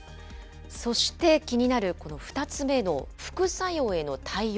そして気になる、この２つ目の副作用への対応。